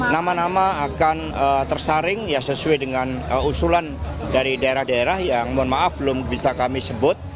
nama nama akan tersaring sesuai dengan usulan dari daerah daerah yang mohon maaf belum bisa kami sebut